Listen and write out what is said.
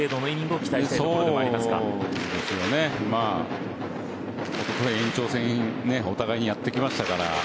おととい延長戦お互いにやってきましたから。